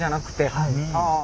はい。